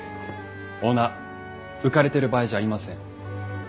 オーナー浮かれてる場合じゃありません。